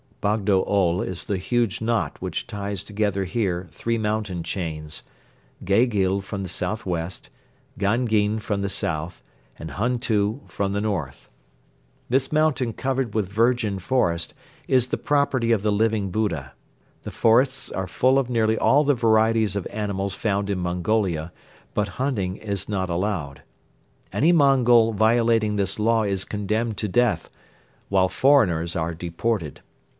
Bogdo Ol is the huge knot which ties together here three mountain chains: Gegyl from the southwest, Gangyn from the south, and Huntu from the north. This mountain covered with virgin forest is the property of the Living Buddha. The forests are full of nearly all the varieties of animals found in Mongolia, but hunting is not allowed. Any Mongol violating this law is condemned to death, while foreigners are deported.